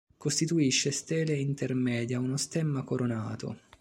Costituisce stele intermedia uno stemma coronato.